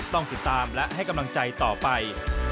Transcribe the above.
ต้องติดตามและให้กำลังใจต่อไป